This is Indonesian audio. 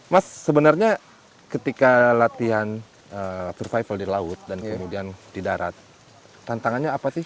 mas sebenarnya ketika latihan survival di laut dan kemudian di darat tantangannya apa sih